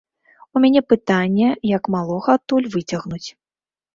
У мяне пытанне, як малога адтуль выцягнуць.